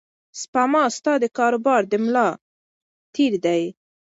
سپما ستا د کاروبار د ملا تیر دی.